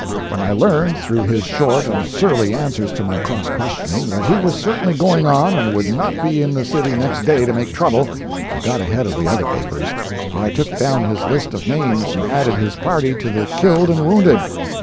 When I learned, through his short and surly answers to my cross questioning, that he was certainly going on and would not be in the city next day to make trouble, I got ahead of the other papers, for I took down his list of names and added his party to the killed and wounded.